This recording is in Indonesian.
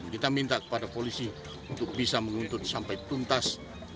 kita minta kepada polisi untuk bisa menuntut sampai tuntas